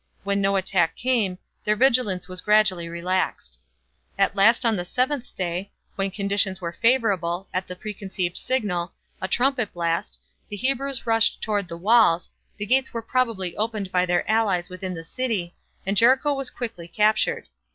When no attack came, their vigilance was gradually relaxed. At last on the seventh day, when conditions were favorable, at the preconcerted signal, a trumpet blast, the Hebrews rushed toward the walls, the gates were probably opened by their allies within the city, and Jericho was quickly captured.